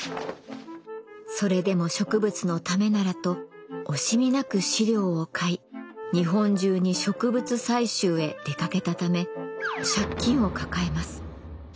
それでも植物のためならと惜しみなく資料を買い日本中に植物採集へ出かけたため借金を抱えます。